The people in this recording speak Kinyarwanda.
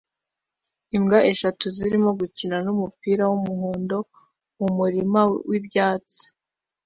Imbwa eshatu zirimo gukina numupira wumuhondo mumurima wibyatsi